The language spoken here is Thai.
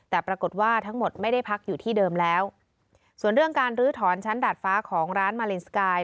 แต่ปรากฏว่าทั้งหมดไม่ได้พักอยู่ที่เดิมแล้วส่วนเรื่องการลื้อถอนชั้นดาดฟ้าของร้านมาเลนสกาย